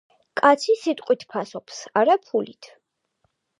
კაცი სიტყვით ფასობს, არა ფულით.